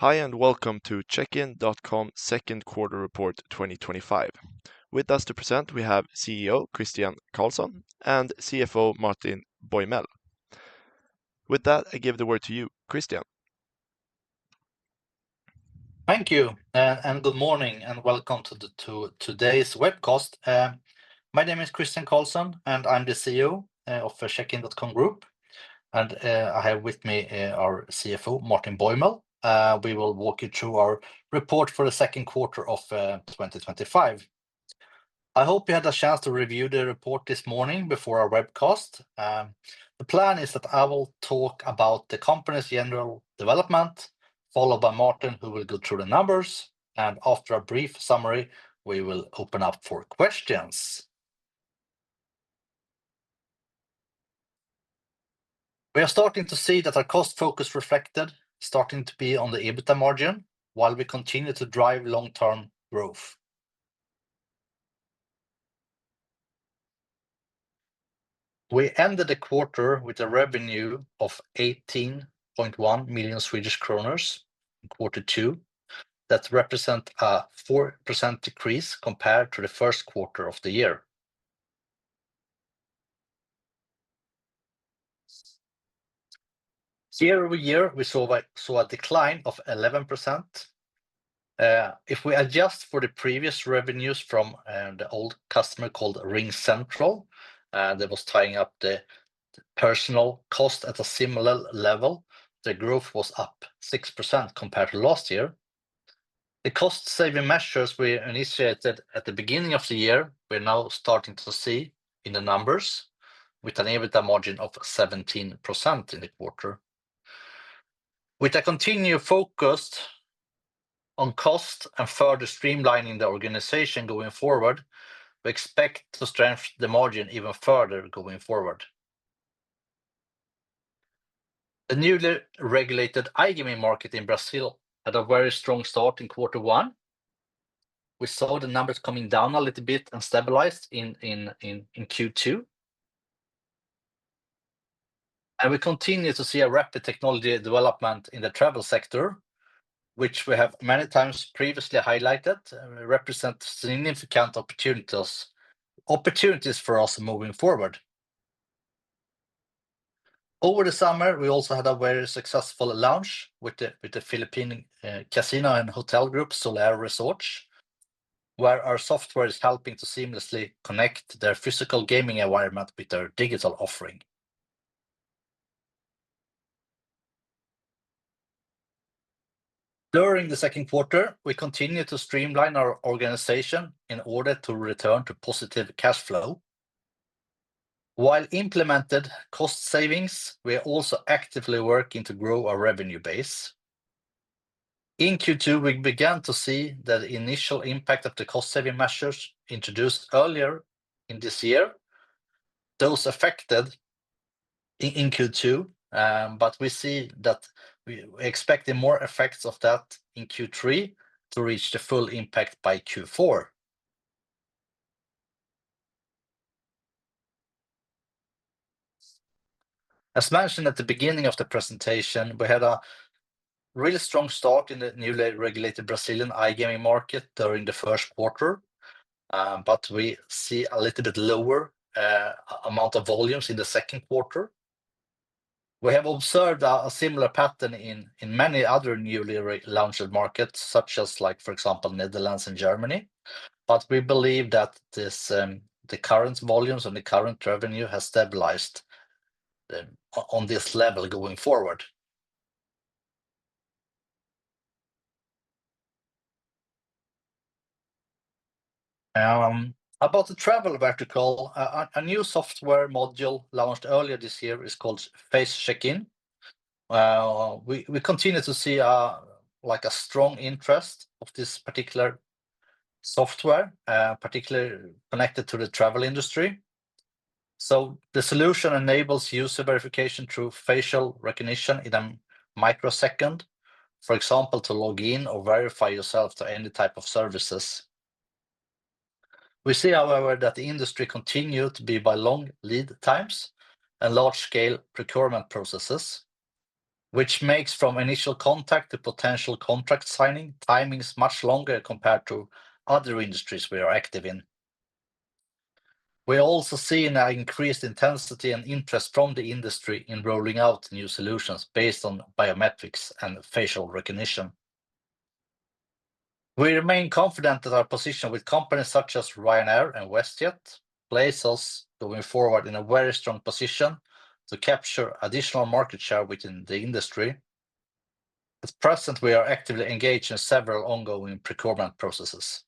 Hi, and welcome to Checkin.com Group AB's second quarter report 2025. With us to present, we have CEO Kristian Carlsson and CFO Martin Boimel. With that, I give the word to you, Kristian. Thank you, and good morning, and welcome to today's webcast. My name is Kristian Carlsson, and I'm the CEO of Checkin.com Group AB. I have with me our CFO, Martin Boimel. We will walk you through our report for the second quarter of 2025. I hope you had a chance to review the report this morning before our webcast. The plan is that I will talk about the company's general development, followed by Martin, who will go through the numbers. After a brief summary, we will open up for questions. We are starting to see that our cost focus is starting to be on the EBITDA margin while we continue to drive long-term growth. We ended the quarter with a revenue of 18.1 million Swedish kronor, in Q2. That represents a 4% decrease compared to the first quarter of the year. Year over year, we saw a decline of 11%. If we adjust for the previous revenues from the old customer called RingCentral, that was tying up the personnel cost at a similar level, the growth was up 6% compared to last year. The cost-saving measures we initiated at the beginning of the year, we're now starting to see in the numbers with an EBITDA margin of 17% in the quarter. With a continued focus on cost and further streamlining the organization going forward, we expect to stretch the margin even further going forward. The newly regulated iGaming market in Brazil had a very strong start in Q1. We saw the numbers coming down a little bit and stabilized in Q2. We continue to see a rapid technology development in the travel sector, which we have many times previously highlighted, and represents significant opportunities for us moving forward. Over the summer, we also had a very successful launch with the Philippine casino and hotel group Solaire Resorts, where our software is helping to seamlessly connect their physical gaming environment with their digital offering. During the second quarter, we continue to streamline our organization in order to return to positive cash flow. While implementing cost savings, we are also actively working to grow our revenue base. In Q2, we began to see the initial impact of the cost-saving measures introduced earlier in this year. Those affected in Q2, but we see that we expect more effects of that in Q3 to reach the full impact by Q4. As mentioned at the beginning of the presentation, we had a really strong start in the newly regulated Brazilian iGaming market during the first quarter, but we see a little bit lower amount of volumes in the second quarter. We have observed a similar pattern in many other newly launched markets, such as, for example, the Netherlands and Germany. We believe that the current volumes and the current revenue have stabilized on this level going forward. About the travel vertical, a new software module launched earlier this year is called Face Check-in. We continue to see a strong interest of this particular software, particularly connected to the travel industry. The solution enables user verification through facial recognition in a microsecond, for example, to log in or verify yourself to any type of services. We see, however, that the industry continues to be by long lead times and large-scale procurement processes, which makes from initial contact to potential contract signing, timing is much longer compared to other industries we are active in. We are also seeing an increased intensity and interest from the industry in rolling out new solutions based on biometrics and facial recognition. We remain confident that our position with companies such as Ryanair and WestJet places us going forward in a very strong position to capture additional market share within the industry. At present, we are actively engaged in several ongoing procurement processes.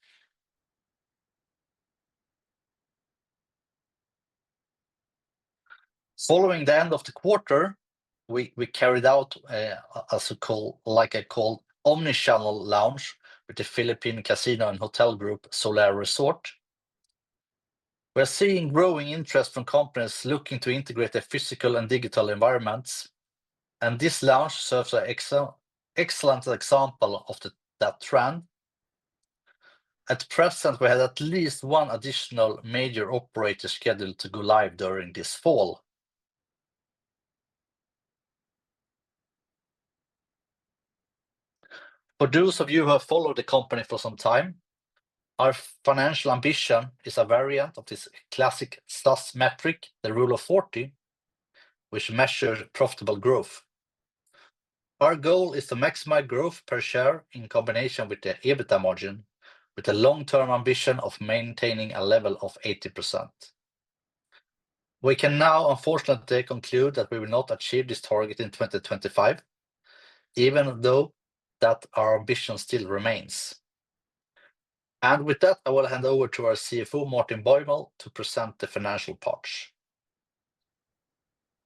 Following the end of the quarter, we carried out a so-called, like I called, omnichannel launch with the Philippine Casino and Hotel Group Solaire Resorts. We are seeing growing interest from companies looking to integrate physical and digital environments, and this launch serves as an excellent example of that trend. At present, we had at least one additional major operator scheduled to go live during this fall. For those of you who have followed the company for some time, our financial ambition is a variant of this classic SaaS metric, the Rule of 40, which measures profitable growth. Our goal is to maximize growth per share in combination with the EBITDA margin, with a long-term ambition of maintaining a level of 80%. We can now, unfortunately, conclude that we will not achieve this target in 2025, even though our ambition still remains. With that, I will hand over to our CFO, Martin Boimel, to present the financial part.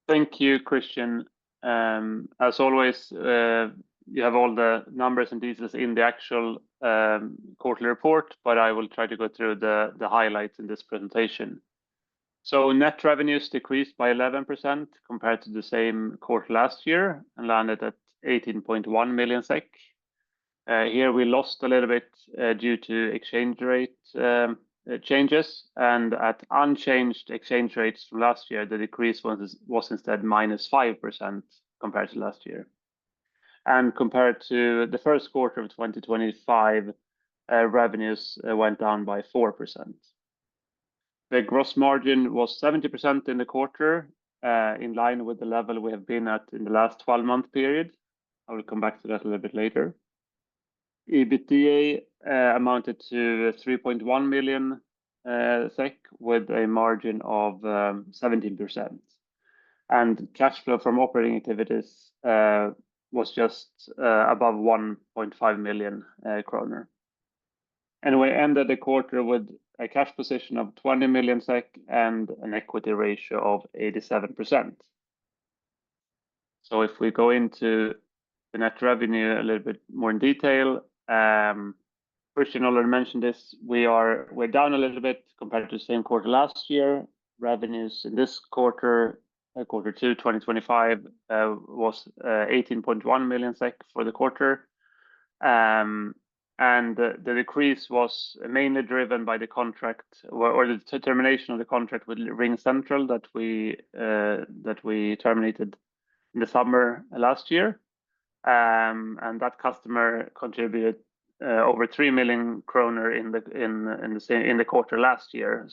Thank you, Kristian. As always, you have all the numbers and details in the actual quarterly report, but I will try to go through the highlights in this presentation. Net revenues decreased by 11% compared to the same quarter last year and landed at 18.1 million SEK. Here, we lost a little bit due to exchange rate changes, and at unchanged exchange rates from last year, the decrease was instead -5% compared to last year. Compared to the first quarter of 2025, revenues went down by 4%. The gross margin was 70% in the quarter, in line with the level we have been at in the last 12-month period. I will come back to that a little bit later. EBITDA amounted to 3.1 million SEK with a margin of 17%. Cash flow from operating activities was just above 1.5 million kronor. We ended the quarter with a cash position of 20 million SEK and an equity ratio of 87%. If we go into the net revenue a little bit more in detail, Kristian Carlsson already mentioned this, we are down a little bit compared to the same quarter last year. Revenues in this quarter, quarter two, 2025, was 18.1 million SEK for the quarter. The decrease was mainly driven by the contract or the termination of the contract with RingCentral that we terminated in the summer last year. That customer contributed over 3 million kronor in the quarter last year.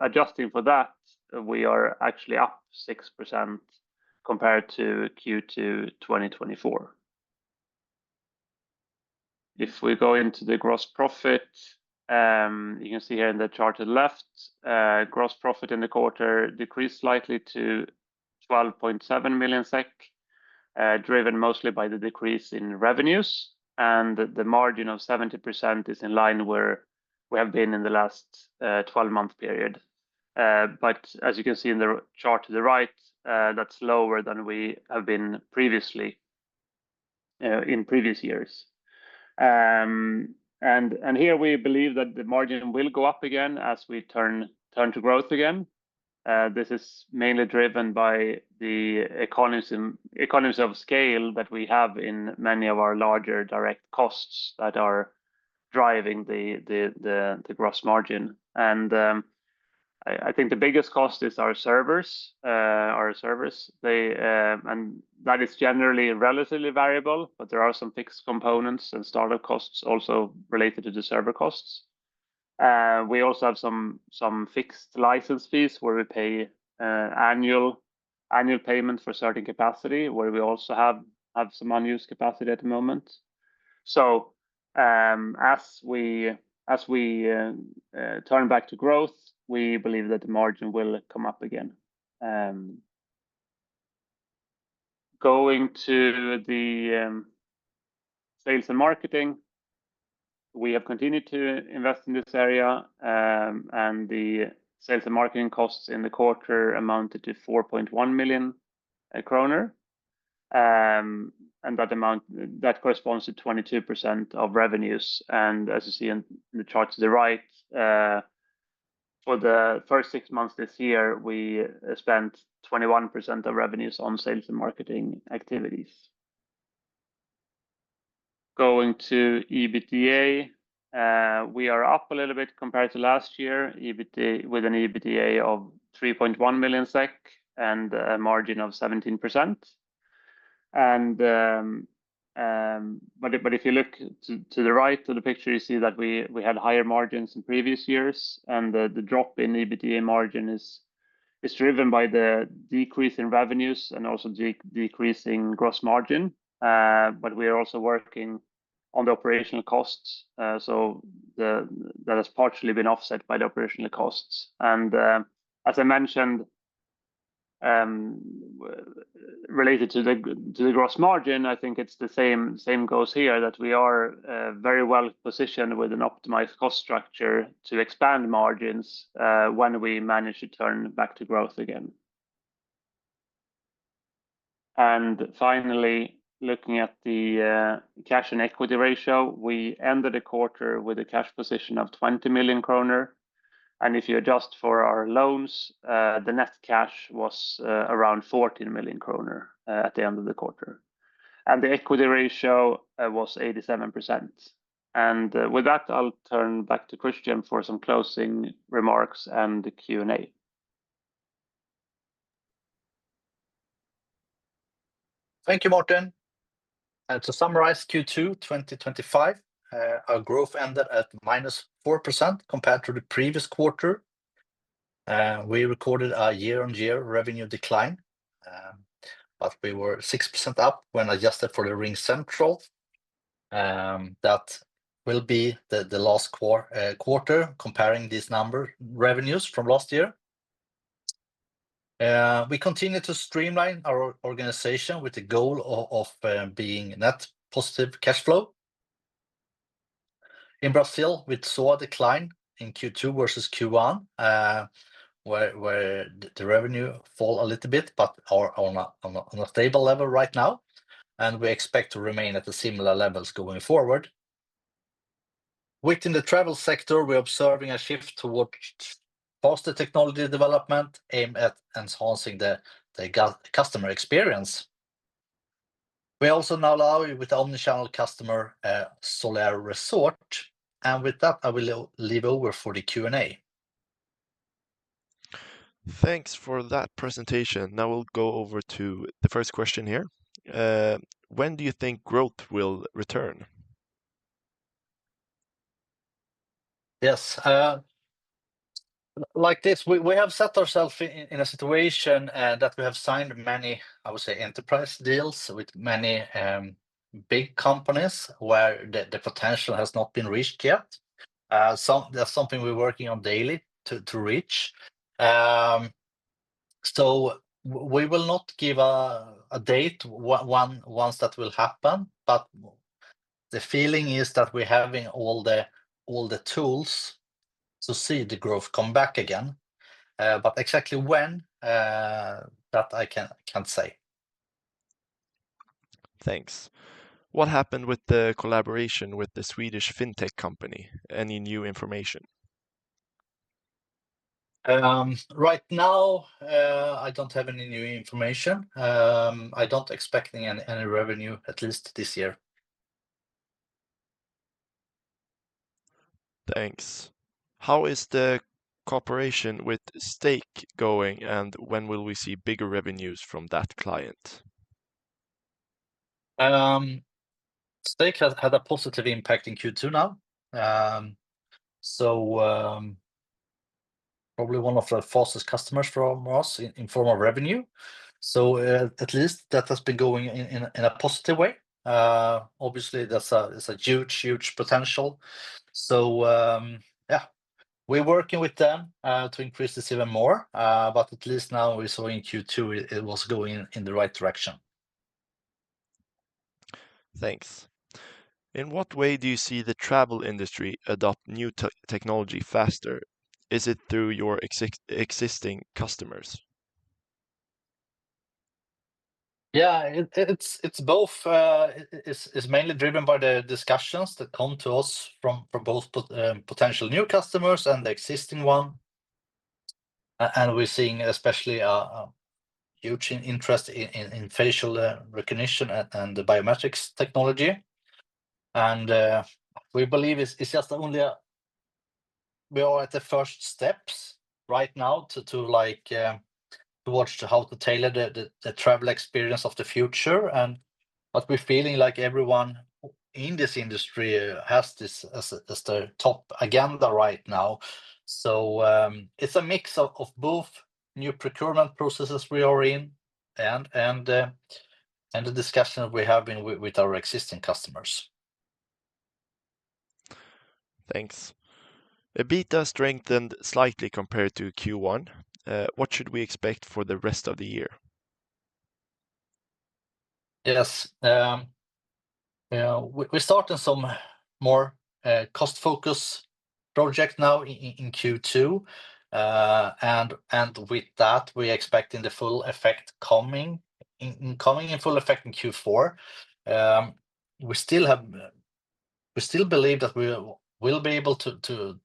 Adjusting for that, we are actually up 6% compared to Q2 2024. If we go into the gross profit, you can see here in the chart to the left, gross profit in the quarter decreased slightly to 12.7 million SEK, driven mostly by the decrease in revenues. The margin of 70% is in line where we have been in the last 12-month period. As you can see in the chart to the right, that's lower than we have been previously in previous years. We believe that the margin will go up again as we turn to growth again. This is mainly driven by the economies of scale that we have in many of our larger direct costs that are driving the gross margin. I think the biggest cost is our servers. That is generally relatively variable, but there are some fixed components and startup costs also related to the server costs. We also have some fixed license fees where we pay annual payments for certain capacity, where we also have some unused capacity at the moment. As we turn back to growth, we believe that the margin will come up again. Going to the sales and marketing, we have continued to invest in this area, and the sales and marketing costs in the quarter amounted to 4.1 million kronor. That amount corresponds to 22% of revenues. As you see in the chart to the right, for the first six months this year, we spent 21% of revenues on sales and marketing activities. Going to EBITDA, we are up a little bit compared to last year, with an EBITDA of 3.1 million SEK and a margin of 17%. If you look to the right of the picture, you see that we had higher margins in previous years, and the drop in EBITDA margin is driven by the decrease in revenues and also decreasing gross margin. We are also working on the operational costs, so that has partially been offset by the operational costs. As I mentioned, related to the gross margin, I think it's the same goes here that we are very well positioned with an optimized cost structure to expand margins when we manage to turn back to growth again. Finally, looking at the cash and equity ratio, we ended the quarter with a cash position of 20 million kronor. If you adjust for our loans, the net cash was around 14 million kronor at the end of the quarter. The equity ratio was 87%. With that, I'll turn back to Kristian for some closing remarks and the Q&A. Thank you, Martin. To summarize, Q2 2025, our growth ended at -4% compared to the previous quarter. We recorded a year-on-year revenue decline, but we were 6% up when adjusted for RingCentral. That will be the last quarter comparing these numbers, revenues from last year. We continue to streamline our organization with the goal of being net positive cash flow. In Brazil, we saw a decline in Q2 versus Q1, where the revenue fell a little bit, but on a stable level right now. We expect to remain at similar levels going forward. Within the travel sector, we're observing a shift towards faster technology development aimed at enhancing the customer experience. We also now allow you with the omnichannel customer Solaire Resorts. With that, I will leave it over for the Q&A. Thanks for that presentation. Now we'll go over to the first question here. When do you think growth will return? Yes, like this, we have set ourselves in a situation that we have signed many, I would say, enterprise deals with many big companies where the potential has not been reached yet. That's something we're working on daily to reach. We will not give a date once that will happen, but the feeling is that we're having all the tools to see the growth come back again. Exactly when, that I can't say. Thanks. What happened with the collaboration with the Swedish fintech company? Any new information? Right now, I don't have any new information. I don't expect any revenue, at least this year. Thanks. How is the cooperation with STEK going, and when will we see bigger revenues from that client? STEK has had a positive impact in Q2 now. Probably one of the fastest customers from us in form of revenue. At least that has been going in a positive way. Obviously, there's a huge, huge potential. We're working with them to increase this even more. At least now we saw in Q2 it was going in the right direction. Thanks. In what way do you see the travel industry adopting new technology faster? Is it through your existing customers? Yeah, it's both. It's mainly driven by the discussions that come to us from both potential new customers and the existing one. We're seeing especially a huge interest in facial recognition and biometrics technology. We believe it's just only we are at the first steps right now to watch how to tailor the travel experience of the future. We're feeling like everyone in this industry has this as their top agenda right now. It's a mix of both new procurement processes we are in and the discussion that we have been with our existing customers. Thanks. EBITDA strengthened slightly compared to Q1. What should we expect for the rest of the year? Yes. We started some more cost-focused projects now in Q2, and with that, we expect the full effect coming in full effect in Q4. We still believe that we will be able to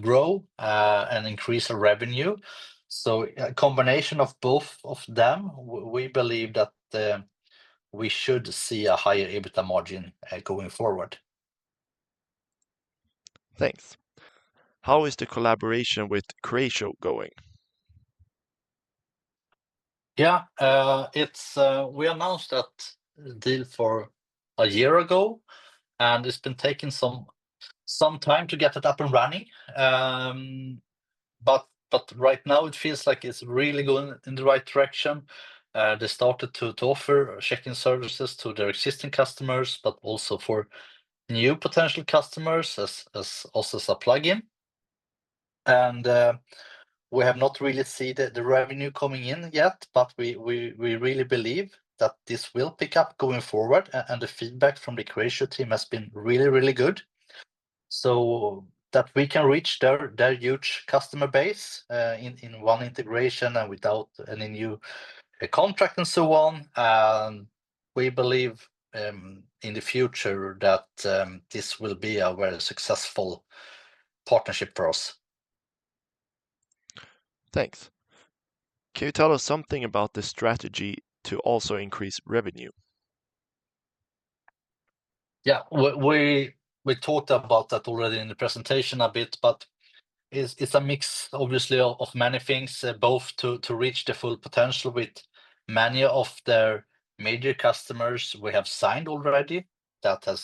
grow and increase our revenue. A combination of both of them, we believe that we should see a higher EBITDA margin going forward. Thanks. How is the collaboration with Kretio going? Yeah, we announced that deal for a year ago, and it's been taking some time to get it up and running. Right now, it feels like it's really going in the right direction. They started to offer check-in services to their existing customers, but also for new potential customers as also as a plug-in. We have not really seen the revenue coming in yet, but we really believe that this will pick up going forward. The feedback from the Kretio team has been really, really good, so that we can reach their huge customer base in one integration and without any new contract and so on. We believe in the future that this will be a very successful partnership for us. Thanks. Can you tell us something about the strategy to also increase revenue? Yeah, we talked about that already in the presentation a bit, but it's a mix, obviously, of many things, both to reach the full potential with many of the major customers we have signed already that have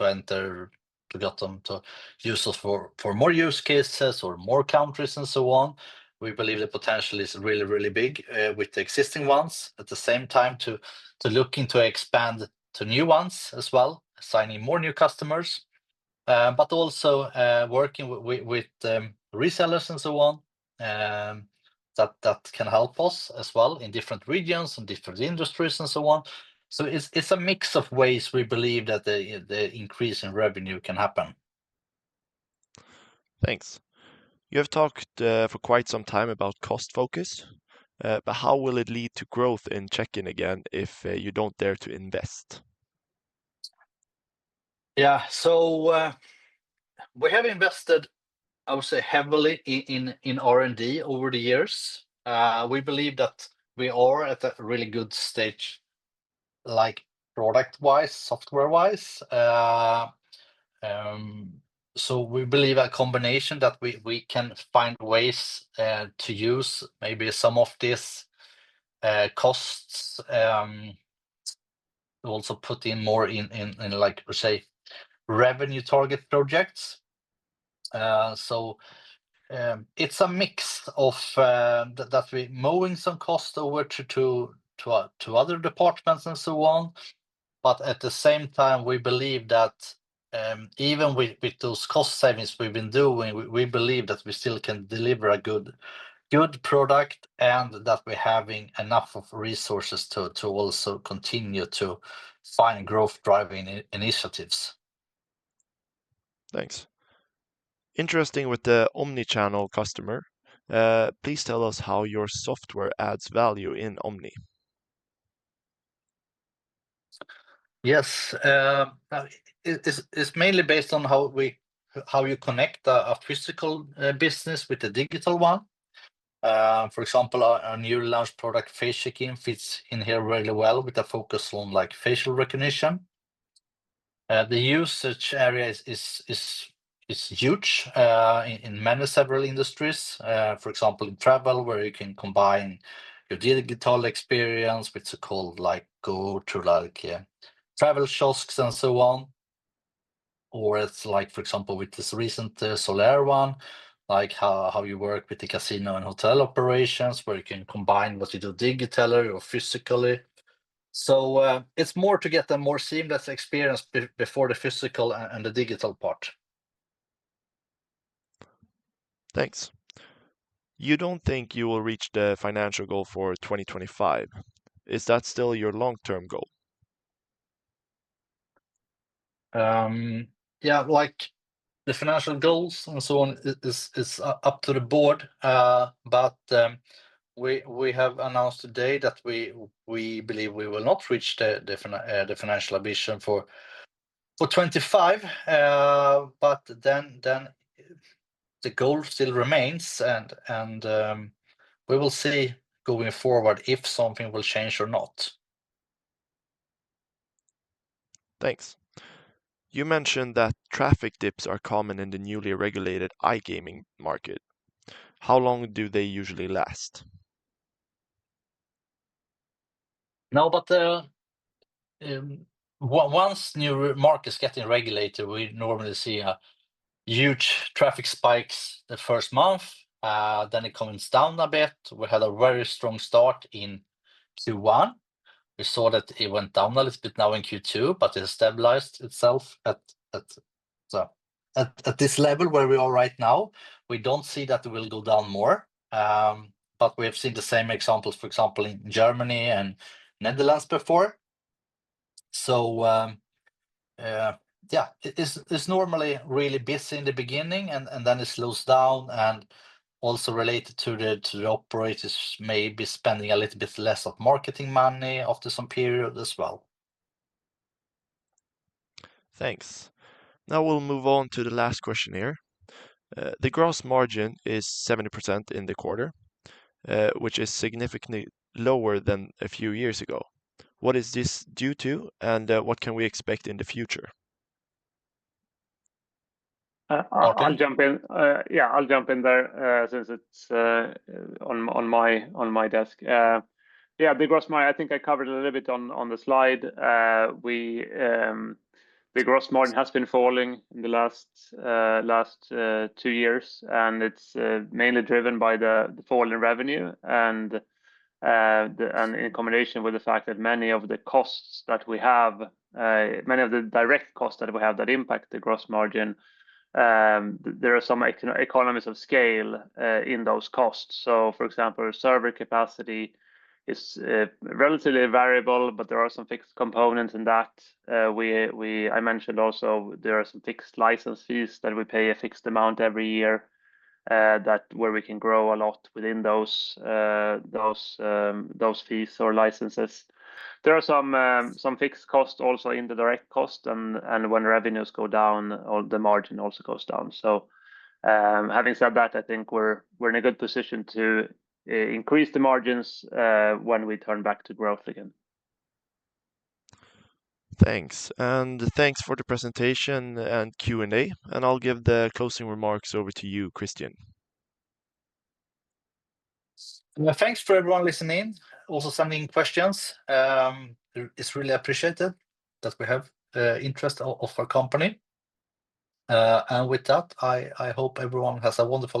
entered the gutter to use us for more use cases or more countries and so on. We believe the potential is really, really big with the existing ones. At the same time, to look into expanding to new ones as well, signing more new customers. Also, working with resellers and so on that can help us as well in different regions and different industries and so on. It's a mix of ways we believe that the increase in revenue can happen. Thanks. You have talked for quite some time about cost focus, but how will it lead to growth in Checkin.com again if you don't dare to invest? Yeah, we have invested, I would say, heavily in R&D over the years. We believe that we are at a really good stage, product-wise, software-wise. We believe a combination that we can find ways to use maybe some of these costs to also put in more in, like we say, revenue target projects. It's a mix of that we're moving some costs over to other departments and so on. At the same time, we believe that even with those cost savings we've been doing, we believe that we still can deliver a good product and that we're having enough resources to also continue to find growth-driving initiatives. Thanks. Interesting with the omnichannel customer. Please tell us how your software adds value in omnichannel. Yes. It's mainly based on how you connect a physical business with a digital one. For example, our new launch product, Face Check-in, fits in here really well with a focus on facial recognition. The usage area is huge in many, several industries. For example, in travel, where you can combine your digital experience with so-called go-to travel shops and so on. For example, with this recent Solaire Resorts one, like how you work with the casino and hotel operations, where you can combine what you do digitally or physically. It's more to get a more seamless experience before the physical and the digital part. Thanks. You don't think you will reach the financial goal for 2025. Is that still your long-term goal? Yeah, like the financial goals and so on is up to the board. We have announced today that we believe we will not reach the financial ambition for 2025. The goal still remains, and we will see going forward if something will change or not. Thanks. You mentioned that traffic dips are common in the newly regulated iGaming market. How long do they usually last? No, but once the new market is getting regulated, we normally see huge traffic spikes the first month. It comes down a bit. We had a very strong start in Q1. We saw that it went down a little bit now in Q2, but it stabilized itself at this level where we are right now. We don't see that it will go down more. We have seen the same examples, for example, in Germany and Netherlands before. It is normally really busy in the beginning, and then it slows down and also related to the operators maybe spending a little bit less of marketing money after some period as well. Thanks. Now we'll move on to the last question here. The gross margin is 70% in the quarter, which is significantly lower than a few years ago. What is this due to, and what can we expect in the future? I'll jump in. Yeah, I'll jump in there since it's on my desk. Yeah, the gross margin, I think I covered a little bit on the slide. The gross margin has been falling in the last two years, and it's mainly driven by the fall in revenue in combination with the fact that many of the costs that we have, many of the direct costs that we have that impact the gross margin, there are some economies of scale in those costs. For example, server capacity is relatively variable, but there are some fixed components in that. I mentioned also there are some fixed license fees that we pay a fixed amount every year where we can grow a lot within those fees or licenses. There are some fixed costs also in the direct cost, and when revenues go down, the margin also goes down. Having said that, I think we're in a good position to increase the margins when we turn back to growth again. Thanks. Thanks for the presentation and Q&A. I'll give the closing remarks over to you, Kristian. Thanks for everyone listening, also sending questions. It's really appreciated that we have interest of our company. With that, I hope everyone has a wonderful day.